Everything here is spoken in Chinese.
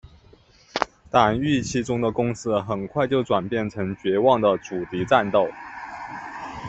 但预期中的攻势很快就转变成绝望的阻敌战斗。